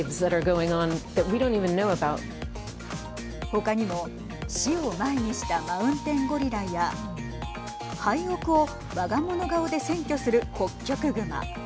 他にも死を前にしたマウンテンゴリラや廃屋をわが物顔で占拠するホッキョクグマ。